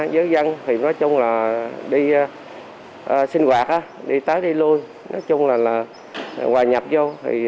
với dân nói chung là đi sinh hoạt đi tới đi lui nói chung là hoà nhập vô